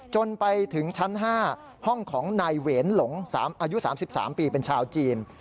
จนไปถึงชั้น๕ห้องของนายเวรหลงอายุ๓๓ปีเป็นชาวจีน